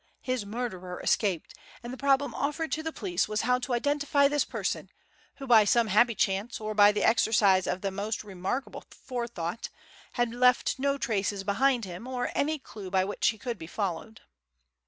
His murderer escaped, and the problem offered to the police was how to identify this person who, by some happy chance or by the exercise of the most remarkable forethought, had left no traces behind him, or any clue by which he could be followed.